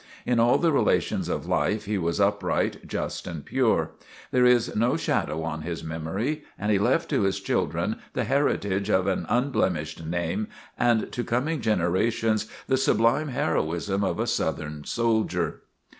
In all the relations of life he was upright, just and pure. There is no shadow on his memory and he left to his children the heritage of an unblemished name and to coming generations the sublime heroism of a Southern Soldier.